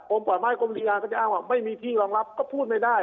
ป่าไม้กรมโรงงานก็จะอ้างว่าไม่มีที่รองรับก็พูดไม่ได้